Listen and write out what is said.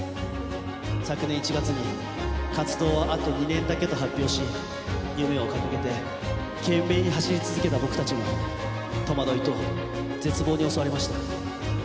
昨年１月に活動をあと２年だけと発表し夢を掲げて懸命に走り続けた僕たちも戸惑いと絶望に襲われました。